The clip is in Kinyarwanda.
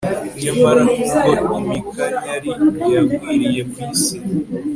nyamara nubwo iminkanyari yagwiriye kwisi